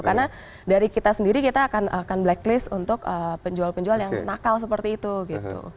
karena dari kita sendiri kita akan blacklist untuk penjual penjual yang nakal seperti itu gitu